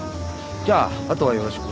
じゃああとはよろしく。